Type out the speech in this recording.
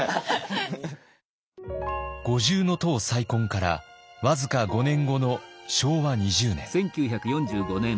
五重塔再建から僅か５年後の昭和２０年。